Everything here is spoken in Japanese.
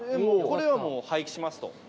これはもう廃棄しますと。